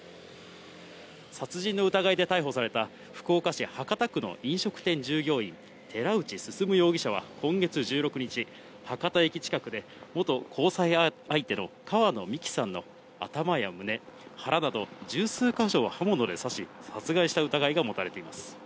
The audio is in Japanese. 殺人の疑いで逮捕された、福岡市博多区の飲食店従業員、寺内進容疑者は今月１６日、博多駅近くで、元交際相手の川野美樹さんの頭や胸、腹など十数か所を刃物で刺し、殺害した疑いが持たれています。